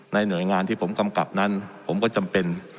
หน่วยงานที่ผมกำกับนั้นผมก็จำเป็น